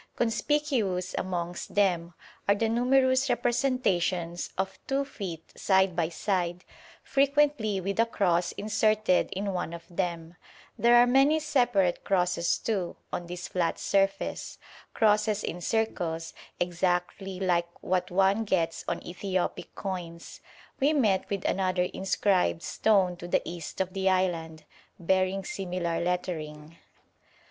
Conspicuous amongst them are the numerous representations of two feet side by side, frequently with a cross inserted in one of them; there are many separate crosses, too, on this flat surface crosses in circles, exactly like what one gets on Ethiopic coins. We met with another inscribed stone to the east of the island, bearing similar lettering.